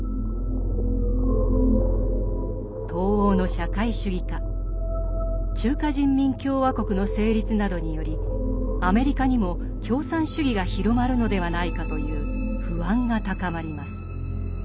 東欧の社会主義化中華人民共和国の成立などによりアメリカにも共産主義が広まるのではないかという不安が高まります。